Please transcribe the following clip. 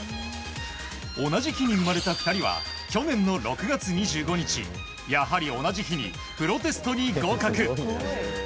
同じ日に生まれた２人は去年の６月２５日やはり同じ日にプロテストに合格。